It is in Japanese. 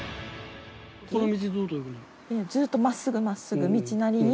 ずっとまっすぐまっすぐ道なりに？